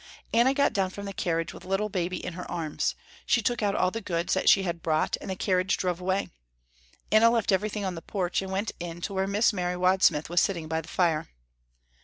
Anna got down from the carriage with little Baby in her arms. She took out all the goods that she had brought and the carriage drove away. Anna left everything on the porch, and went in to where Miss Mary Wadsmith was sitting by the fire.